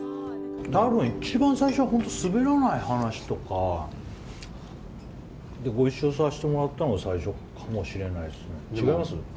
多分、一番最初は「すべらない話」とかでご一緒させてもらったのが最初かもしれないです。